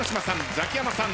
ザキヤマさん